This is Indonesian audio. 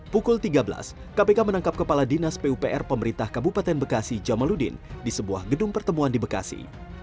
pukul tiga belas kpk menangkap kepala dinas pupr pemerintah kabupaten bekasi jamaludin di sebuah gedung pertemuan di bekasi